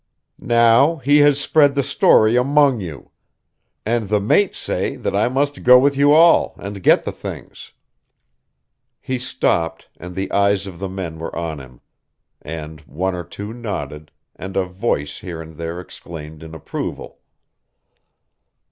"Now he has spread the story among you. And the mates say that I must go with you all, and get the things." He stopped, and the eyes of the men were on him; and one or two nodded, and a voice here and there exclaimed in approval.